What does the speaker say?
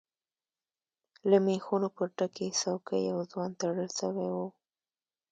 له ميخونو پر ډکې څوکی يو ځوان تړل شوی و.